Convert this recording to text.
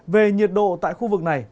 về nhiệt độ tại khu vực này